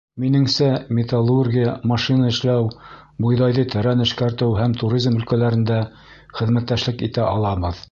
— Минеңсә, металлургия, машина эшләү, бойҙайҙы тәрән эшкәртеү һәм туризм өлкәләрендә хеҙмәттәшлек итә алабыҙ.